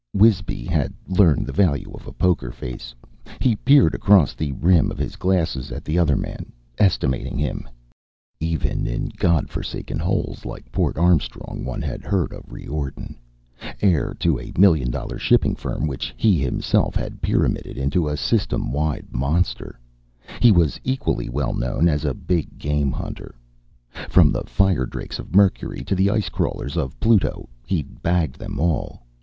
Wisby had learned the value of a poker face. He peered across the rim of his glass at the other man, estimating him. Even in God forsaken holes like Port Armstrong one had heard of Riordan. Heir to a million dollar shipping firm which he himself had pyramided into a System wide monster, he was equally well known as a big game hunter. From the firedrakes of Mercury to the ice crawlers of Pluto, he'd bagged them all.